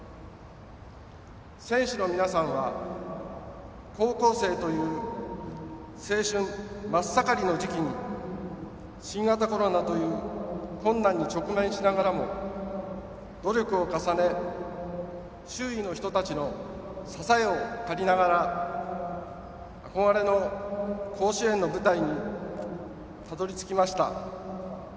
選手の皆さんは、高校生という青春真っ盛りの時期に新型コロナという困難に直面しながらも努力を重ね周囲の人たちの支えを借りながら憧れの甲子園の舞台にたどり着きました。